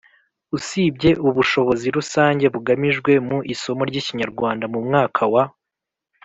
Usibye ubushobozi rusange bugamijwe mu isomo ry’Ikinyarwanda mu mwaka wa